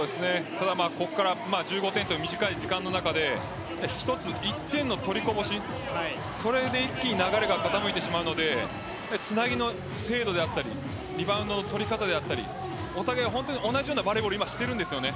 ただここから１５点という短い時間の中で一つ１点の取りこぼしそれで一気に流れが傾いてしまうのでつなぎの精度であったりリバウンドの取り方であったりお互い、同じようなバレーをしているんです。